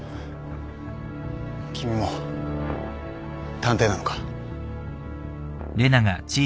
君も探偵なのか？